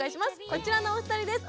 こちらのお二人です。